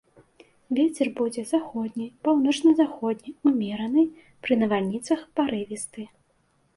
Вецер будзе заходні, паўночна-заходні ўмераны, пры навальніцах парывісты.